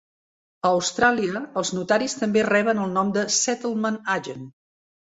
A Austràlia, els notaris també reben el nom de Settlement Agent.